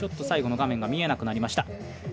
最後の画面が見えなくなりました。